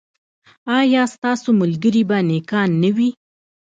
ایا ستاسو ملګري به نیکان نه وي؟